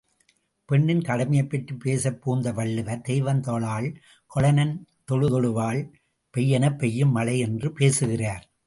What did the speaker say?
பெண்ணின் கடமைபற்றிப் பேசப் புகுந்த வள்ளுவர், தெய்வம் தொழாஅள் கொழுநன் தொழுதெழுவாள் பெய்யெனப் பெய்யும் மழை என்று பேசுகிறார்.